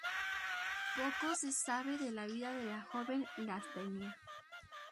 Poco se sabe de la vida de la joven Lastenia.